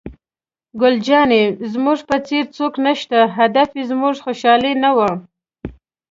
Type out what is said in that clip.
ګل جانې: زموږ په څېر څوک نشته، هدف یې زموږ خوشحالي نه وه.